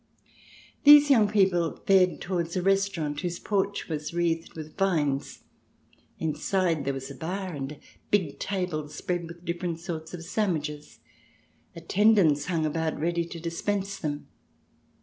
These young people fared towards a restaurant, whose porch was wreathed with vines. Inside there was a bar, and a big table spread with different sorts of sandwiches. Attendants hung about ready to dispense them.